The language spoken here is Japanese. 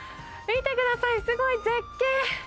見てください、すごい絶景。